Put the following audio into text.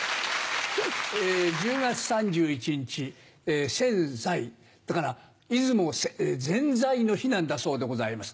１０月３１日「せんざい」だから出雲ぜんざいの日なんだそうでございます。